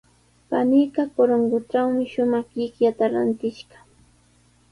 Paniiqa Corongotrawmi shumaq llikllata rantishqa.